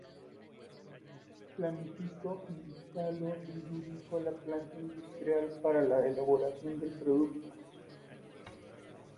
Planificó, instaló y dirigió la planta industrial para la elaboración del producto.